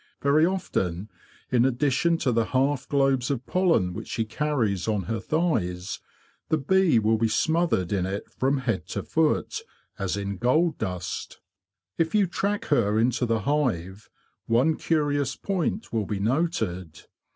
Very often, in addition to the half globes of pollen which she carries on her thighs, the bee will be smothered in it from head to foot, as in gold dust. If you track her into the hive, one curious point will be noted.